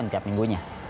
dan setiap minggunya